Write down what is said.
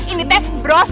ini teh bro sisi